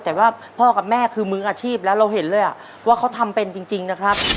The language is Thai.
แต่ว่าพ่อกับแม่คือมืออาชีพแล้วเราเห็นเลยว่าเขาทำเป็นจริงนะครับ